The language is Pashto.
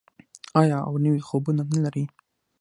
آیا او نوي خوبونه نلري؟